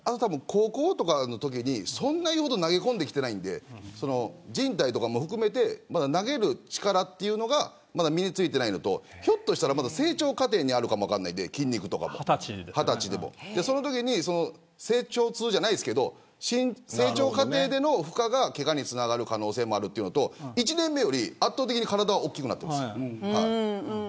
高校とかのときにそんなに投げ込んできてないのでじん帯とかも含めて投げる力というのが身に付いていないのとひょっとすると成長過程にあるかも分からないので筋肉とかもそのときに成長痛じゃないですけれど成長過程での負荷が、けがにつながる可能性もあるのと１年目より圧倒的に体は大きくなっています。